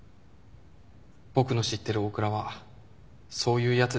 僕の知ってる大倉はそういう奴でしたから。